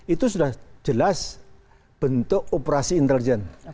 itu sudah jelas bentuk operasi intelijen